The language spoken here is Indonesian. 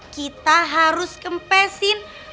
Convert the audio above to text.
kita harus kempesin